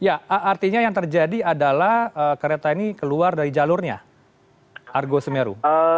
ya artinya yang terjadi adalah kereta ini keluar dari jalurnya argo semeru